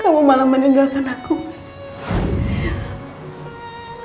kamu malah meninggalkan aku